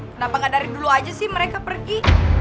kenapa nggak dari dulu aja sih mereka pergi